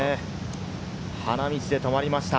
花道で止まりました。